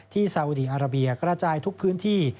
ซาอุดีอาราเบียกระจายทุกพื้นที่